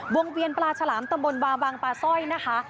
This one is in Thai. เวียนปลาฉลามตำบลวาบางปลาสร้อยนะคะ